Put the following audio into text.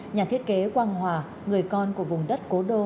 nhà thiết kế quang hòa người con của vùng đất cố đô